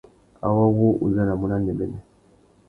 Awô wu udjanamú nà nêbênê.